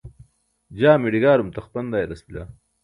jaa miḍigaarum taxpan dayalas bila